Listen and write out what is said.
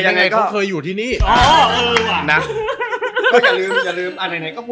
อย่าลืม